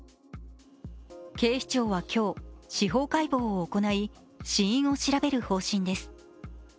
警視庁は今日、司法解剖を行い死因を調べる方針です。